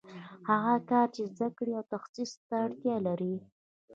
هغه کار چې زده کړې او تخصص ته اړتیا لري